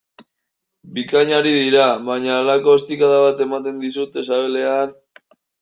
Bikain ari dira, baina halako ostikada bat ematen dizute sabelean...